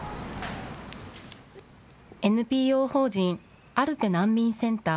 ＮＰＯ法人アルペなんみんセンター。